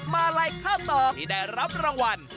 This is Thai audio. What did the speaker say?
มาลัยข้าวตอกที่ได้รับรางวัล